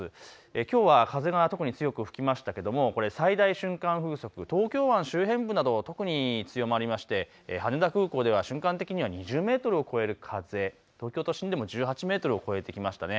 きょうは風が特に強く吹きましたけれども、最大瞬間風速東京湾周辺部など特に強まりまして、羽田空港では瞬間的には２０メートルを超える風東京都心でも１８メートルを超えてきましたね。